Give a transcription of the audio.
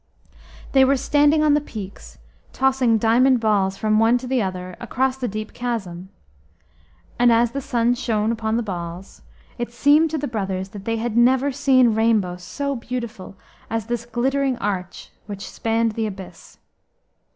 They were standing on the peaks, tossing diamond balls from one to the other across the deep chasm, and as the sun shone upon the balls it seemed to the brothers that they had never seen rainbow so beautiful as this glittering arch which spanned the abyss.